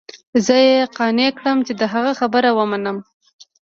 زه يې قانع کړم چې د هغه خبره ومنم.